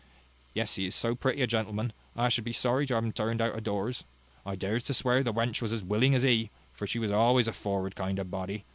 Yet he is so pretty a gentleman, I should be sorry to have him turned out of doors. I dares to swear the wench was as willing as he; for she was always a forward kind of body.